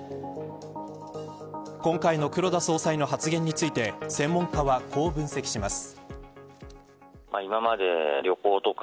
今回の黒田総裁の発言について専門家はこう分析します。